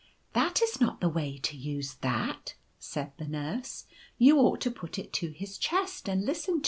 a * That is not the way to use that/ said the Nurse ; 4 you ought to put it to his chest and listen to it.'